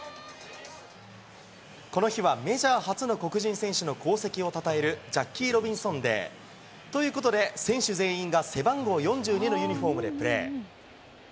この日はメジャー初の黒人選手の功績をたたえるジャッキー・ロビンソンデー。ということで選手全員が背番号４２のユニホームでプレー。